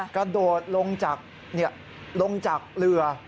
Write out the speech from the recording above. กระโดดลงจากเรือ